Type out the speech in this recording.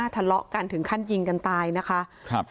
ทะเลาะกันถึงขั้นยิงกันตายนะคะครับ